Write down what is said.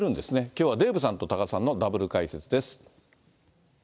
きょうはデーブさんと多賀さんのダブル解説です。